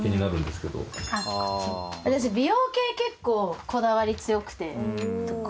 私美容系結構こだわり強くて。